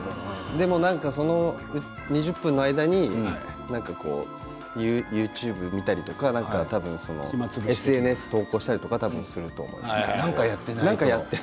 でもその２０分の間にＹｏｕＴｕｂｅを見たりＳＮＳ投稿したり多分すると思います。